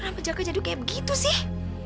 kenapa jaka jadi kayak begitu sih